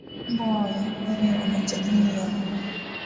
mbwa na wanyamapori wa jamii ya mbwa